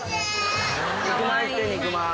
・肉まんいって肉まん。